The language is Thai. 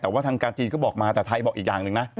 แต่ว่าทางการจีนก็บอกมาแต่ไทยบอกอีกอย่างหนึ่งนะ